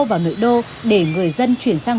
vào nội đô để người dân chuyển sang